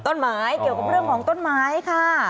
หมายเกี่ยวกับเรื่องของต้นไม้ค่ะ